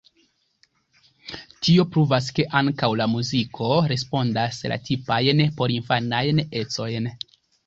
Tio pruvas ke ankaŭ la muziko respondas la tipajn porinfanajn ecojn.